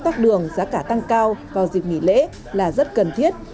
tắc đường giá cả tăng cao vào dịp nghỉ lễ là rất cần thiết